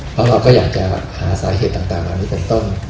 เพราะเราก็อยากจะหาสาเหตุต่างเหล่านี้เป็นต้น